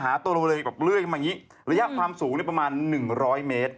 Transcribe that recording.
หาตัวเรารเวลากลับเรื่อยระยะความสูงประมาณ๑๐๐เมตร